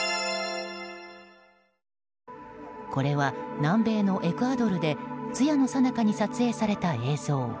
これは南米のエクアドルで通夜のさなかに撮影された映像。